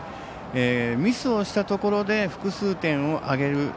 ミスをしたところで複数点を挙げる